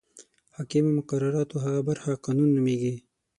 حاکمو مقرراتو هغه برخه قانون نومیږي.